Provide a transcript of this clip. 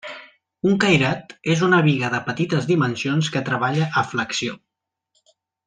Un cairat és una biga de petites dimensions que treballa a flexió.